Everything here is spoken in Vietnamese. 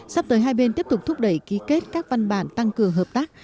sắp tới hai bên tiếp tục thúc đẩy ký kết các văn bản tăng cường hợp tác